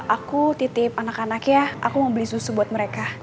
aku titip anak anaknya aku mau beli susu buat mereka